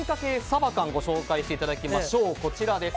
サバ缶をご紹介していただきましょう。